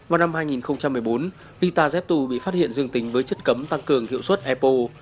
vào năm hai nghìn một mươi bốn rita zepto bị phát hiện dường tính với chất cấm tăng cường hiệu suất epo